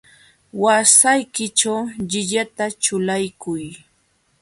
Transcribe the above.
Waśhaykićhu llillata ćhulakuy.